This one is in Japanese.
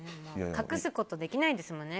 隠すことできないんですもんね